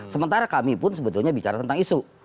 sementara kami pun sebetulnya bicara tentang isu